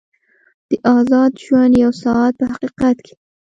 د ازاد ژوند یو ساعت په حقیقت کې.